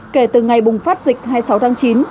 kể từ ngày bùng phát dịch hai mươi sáu tháng chín